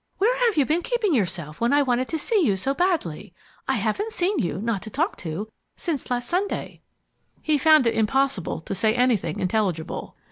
"Where have you been keeping yourself when I wanted to see you so badly? I haven't seen you, not to talk to, since last Sunday." He found it impossible to say anything intelligible.